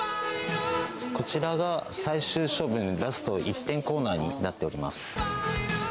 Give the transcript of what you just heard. こちらが最終処分ラスト１点コーナーになっております。